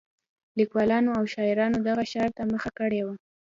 لیکوالانو او شاعرانو دغه ښار ته مخه کړې وه.